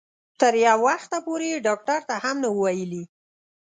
تر یو وخته پورې یې ډاکټر ته هم نه وو ویلي.